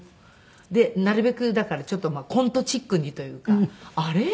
でなるべくだからちょっとコントチックにというか「あれ？